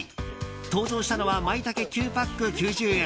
登場したのはマイタケ９パック９０円。